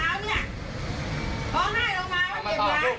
แอร์มาพูดสิแอร์มาพูดสิแอร์มาพูด